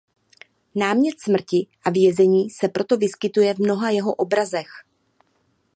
Námět smrti a vězení se proto vyskytuje v mnoha jeho obrazech.